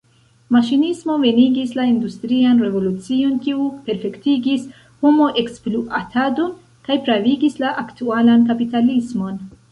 Maŝinismo venigis la industrian revolucion, kiu perfektigis homekspluatadon kaj pravigis la aktualan kapitalismon.